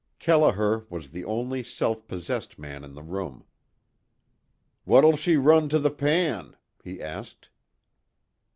Kelliher was the only self possessed man in the room: "What'll she run to the pan?" he asked.